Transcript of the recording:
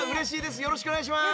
よろしくお願いします。